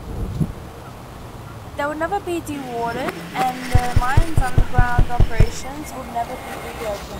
They would never be de-watered, and the mine's underground operations would never be reopened.